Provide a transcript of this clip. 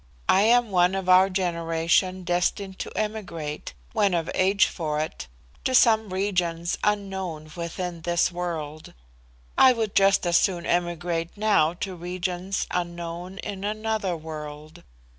I am one of our generation destined to emigrate, when of age for it, to some regions unknown within this world. I would just as soon emigrate now to regions unknown, in another world.